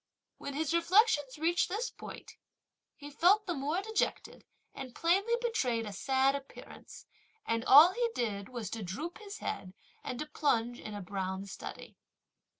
When his reflections reached this point, he felt the more dejected, and plainly betrayed a sad appearance, and all he did was to droop his head and to plunge in a brown study.